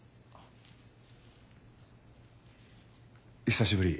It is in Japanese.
久しぶり。